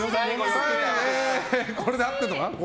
これで合ってるのかな？